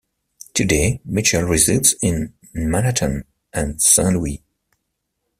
Today, Mitchell resides in Manhattan and Saint Louis.